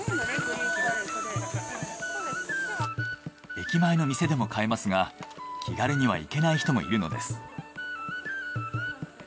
駅前の店でも買えますが気軽には行けない人もいるのです。